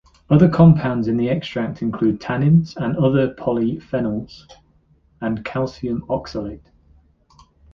Other compounds in the extract include tannins and other polyphenols, and calcium oxalate.